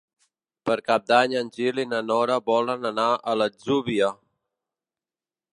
Per Cap d'Any en Gil i na Nora volen anar a l'Atzúbia.